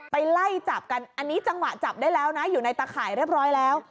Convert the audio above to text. ไปไล่จับกันอันนี้จังหวะจับได้แล้วนะอยู่ในตะข่ายเรียบร้อยแล้ว